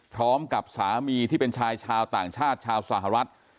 พร้อมกับสามีที่เป็นชายชาวต่างชาติชาวสหรัฐ